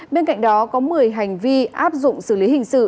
bên cạnh đó có một mươi hành vi áp dụng xử lý hình sự